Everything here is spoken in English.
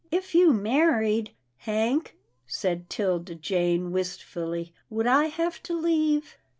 " If you married. Hank," said 'Tilda Jane wist fully, "would I have to leave?"